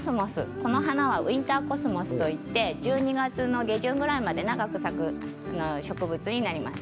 この花はウィンターコスモスといって１２月の下旬ぐらいまで長く咲く植物になります。